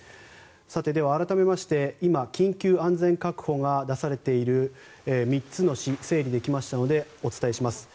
さて、改めまして今、緊急安全確保が出されている３つの市、整理できましたのでお伝えします。